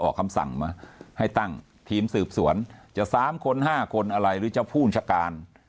คำสั่งมาให้ตั้งทีมสืบสวนจะ๓คน๕คนอะไรหรือจะผู้บัญชาการ